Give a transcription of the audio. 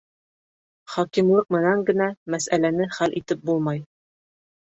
Хакимлыҡ менән генә мәсьәләне хәл итеп булмай.